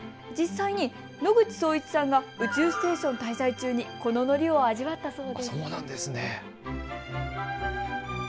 実際に野口聡一さんが宇宙ステーション滞在中にこののりを味わったそうです。